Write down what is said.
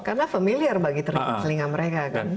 karena familiar bagi telinga mereka kan